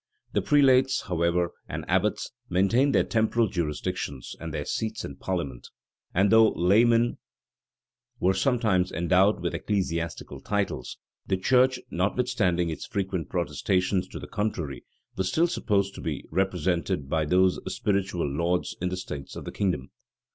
The prelates, however, and abbots, maintained their temporal jurisdictions and their seats in parliament; and though laymen were sometimes endowed with ecclesiastical titles, the church, notwithstanding its frequent protestations to the contrary, was still supposed to be represented by those spiritual lords in the states of the kingdom.